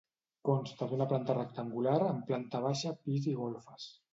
Consta d'una planta rectangular amb planta baixa, pis i golfes.